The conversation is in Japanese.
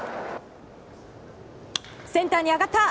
センターに上がった！